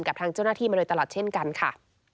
กับทางเจ้าหน้าที่มาโดยตลอดเช่นกันค่ะ